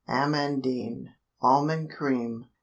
AMANDINE. _Almond Cream.